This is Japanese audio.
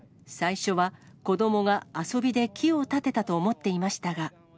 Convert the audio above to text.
最初は子どもが遊びで木をたてたと思っていましたが。